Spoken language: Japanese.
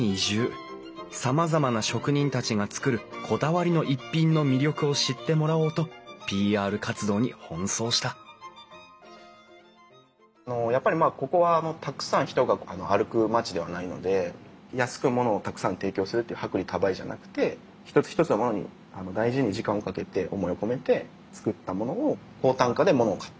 さまざまな職人たちが作るこだわりの逸品の魅力を知ってもらおうとＰＲ活動に奔走した安くものをたくさん提供するという薄利多売じゃなくてひとつひとつのものに大事に時間をかけて思いを込めて作ったものを高単価でものを買ってもらう。